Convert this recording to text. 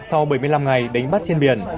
sau bảy mươi năm ngày đánh bắt trên biển